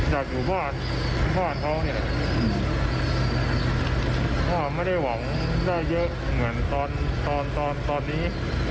อยากอยู่บ้านเพราะว่าไม่ได้หวังได้เยอะเหมือนตอนตอนนี้